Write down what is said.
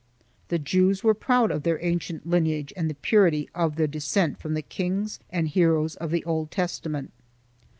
The Jews were proud of their ancient lineage and the purity of their descent from the kings and heroes of the Old Testament.